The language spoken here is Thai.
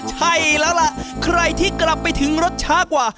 ใช่แล้วล่ะใครที่กลับไปถึงรถช้ากว่า